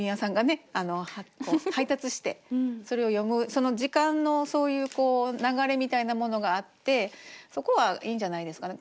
その時間のそういうこう流れみたいなものがあってそこはいいんじゃないですかね。